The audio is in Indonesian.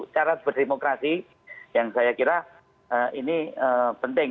cara berdemokrasi yang saya kira ini penting